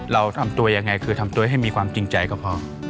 เราทำตัวยังไงคือทำตัวให้มีความจริงใจก็พอ